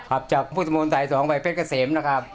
ขับจากผู้สมมติสายสองภัยเพชรเกษมนะครับ